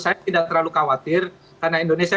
saya tidak terlalu khawatir karena indonesia